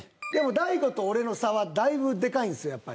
でも大悟と俺の差はだいぶでかいんすよ